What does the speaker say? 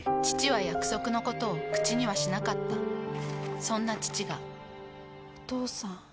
父は約束のことを口にはしなかったそんな父がお父さん。